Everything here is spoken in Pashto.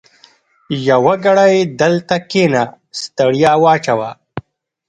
يوه ګړۍ دلته کېنه؛ ستړیا واچوه.